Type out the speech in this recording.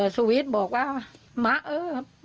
สู๋วิสบอกว่ามะเออ